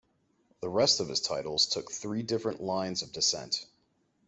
The rest of his titles took three different lines of descent.